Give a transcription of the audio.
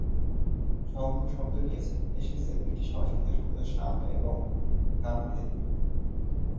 শঙ্খ শব্দটি এসেছে দুটি সংস্কৃত শব্দ 'শাম' ও 'খাম' থেকে।